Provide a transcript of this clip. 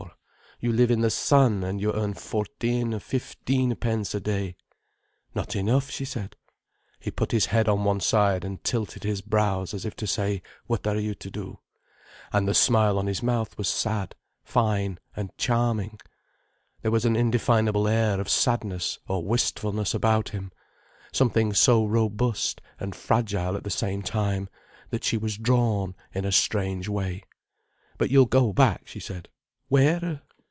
You live in the sun, and you earn fourteen, fifteen pence a day—" "Not enough," she said. He put his head on one side and tilted his brows, as if to say "What are you to do?" And the smile on his mouth was sad, fine, and charming. There was an indefinable air of sadness or wistfulness about him, something so robust and fragile at the same time, that she was drawn in a strange way. "But you'll go back?" she said. "Where?"